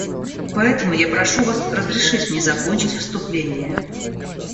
Поэтому я прошу Вас разрешить мне закончить выступление.